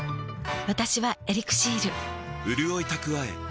私は「エリクシール」